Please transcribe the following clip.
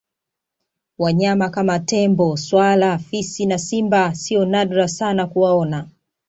Wanyama kama Tembo swala fisi na Simba sio nadra sana kuwaona